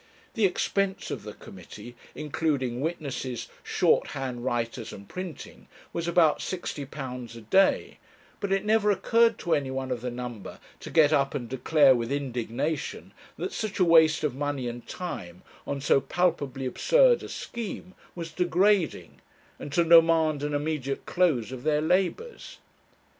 The expense of the committee, including witnesses, shorthand writers, and printing, was about £60 a day, but it never occurred to any one of the number to get up and declare with indignation, that such a waste of money and time on so palpably absurd a scheme was degrading, and to demand an immediate close of their labours.